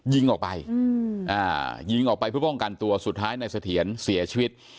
ยิงออกไปยิงออกไปเพื่อป้องกันตัวสุดท้ายนายเสถียรเสียชีวิต